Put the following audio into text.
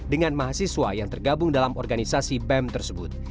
dengan mahasiswa yang tergabung dalam organisasi bem tersebut